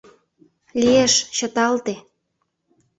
— Лиеш... чыталте...